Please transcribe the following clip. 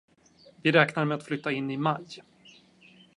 Vi räknar med att flytta in i Maj.